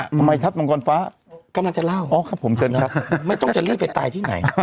ทำไมครับมังกรฟ้ากำลังจะเล่าอ๋อครับผมเชิญครับไม่ต้องจะเลื่อนไปตายที่ไหน